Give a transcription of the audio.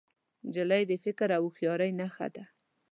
نجلۍ د فکر او هوښیارۍ نښه ده.